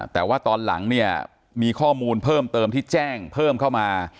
แต่ว่าตอนหลังเนี่ยมีข้อมูลเพิ่มเติมที่แจ้งเพิ่มเข้ามา